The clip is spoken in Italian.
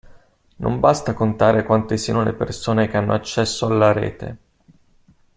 Non basta contare quante siano le persone che hanno accesso alla rete.